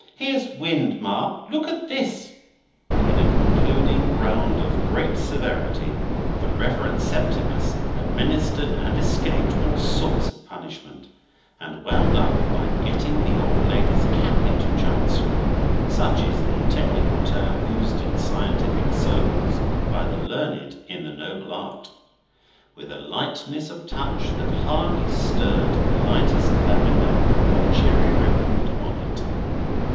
Here's wind, Ma. Look at this!" In a concluding round of great severity, the Reverend Septimus administered and escaped all sorts of punishment, and wound up by getting the old lady's cap into Chancery—such is the technical term used in scientific circles by the learned in the Noble Art—with a lightness of touch that hardly stirred the lightest lavender or cherry riband on it.